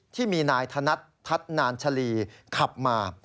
ที่มีนายธนัดนานชะลีขับมา